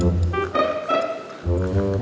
aduh aduh aduh